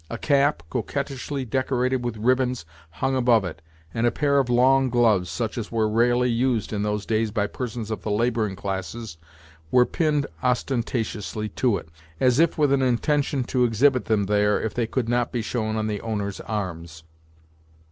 A cap, coquettishly decorated with ribbons, hung above it, and a pair of long gloves, such as were rarely used in those days by persons of the laboring classes, were pinned ostentatiously to it, as if with an intention to exhibit them there, if they could not be shown on the owner's arms.